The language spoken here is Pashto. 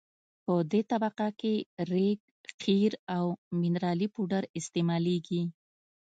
په دې طبقه کې ریګ قیر او منرالي پوډر استعمالیږي